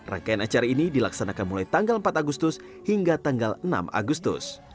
rangkaian acara ini dilaksanakan mulai tanggal empat agustus hingga tanggal enam agustus